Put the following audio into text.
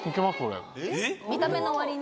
見た目の割に？